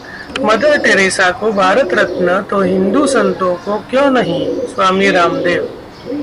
mother Teresa को भारत रत्न तो हिन्दू संतों को क्यों नहीं: स्वामी रामदेव